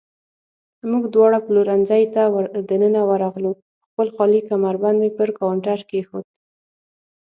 موږ دواړه پلورنځۍ ته دننه ورغلو، خپل خالي کمربند مې پر کاونټر کېښود.